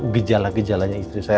gejala gejalanya istri saya